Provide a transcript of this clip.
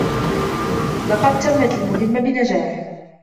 لقد تمت المهمه بنجاح